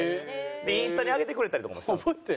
でインスタに上げてくれたりとかもして。